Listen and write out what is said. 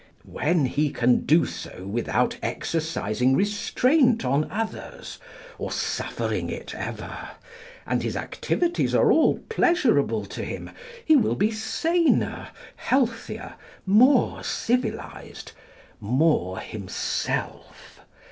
When he can do so without exercising restraint on others, or suffering it ever, and his activities are all pleasurable to him, he will be saner, healthier, more civilised, more himself.